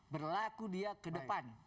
berlaku dia ke depan